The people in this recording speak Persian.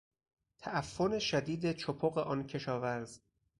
تعفن شدید چپق آن کشاورز